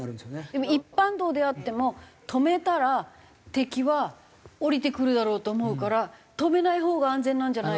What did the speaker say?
でも一般道であっても止めたら敵は降りてくるだろうと思うから止めないほうが安全なんじゃないかと。